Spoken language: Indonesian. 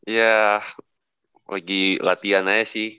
ya lagi latihan aja sih